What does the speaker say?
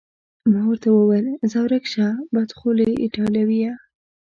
ما ورته وویل: ځه ورک شه، بدخولې ایټالویه.